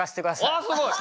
わあすごい！